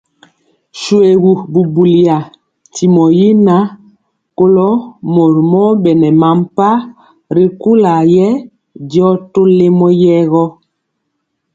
Shoégu buliya, ntimɔ yi ŋan, kɔlo mori mɔ bɛna mɛmpah ri kula yɛ diɔ tɔlemɔ yɛɛ gɔ.